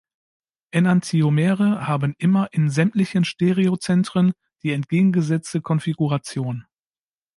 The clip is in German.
Enantiomere haben immer in sämtlichen Stereozentren die entgegengesetzte Konfiguration.